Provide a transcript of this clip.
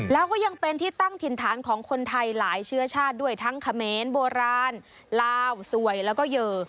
แล้วก็ยังเป็นที่ตั้งถิ่นฐานของคนไทยหลายเชื้อชาติด้วยทั้งเขมรโบราณลาวสวยแล้วก็เยอ